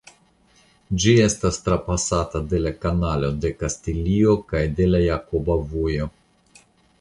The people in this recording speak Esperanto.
Ĝi estas trapasata de la Kanalo de Kastilio kaj de la Jakoba Vojo.